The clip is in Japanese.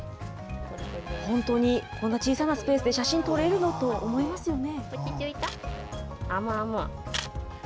本当にこんな小さなスペースで写真撮れるのと思いますよね。